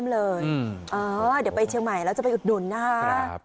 เดี๋ยวไปเชียงใหม่แล้วจะไปอุดหนุนนะคะ